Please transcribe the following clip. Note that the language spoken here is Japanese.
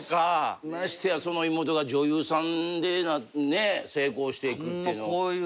ましてやその妹が女優さんで成功していくっていうの。